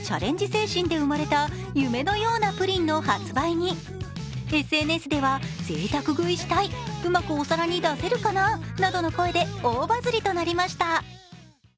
精神で生まれた夢のようなプリンの発売にＳＮＳではぜいたく食いしたい、うまくお皿に出せるかななどの声で大バズりとなりました。